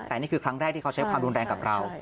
แต่นี่คือครั้งแรกที่เขาใช้ความรุนแรงกับเรา